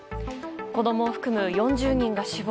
子供を含む４０人が死亡。